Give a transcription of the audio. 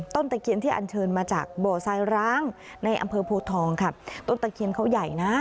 ตะเคียนที่อันเชิญมาจากบ่อทรายร้างในอำเภอโพทองค่ะต้นตะเคียนเขาใหญ่นะ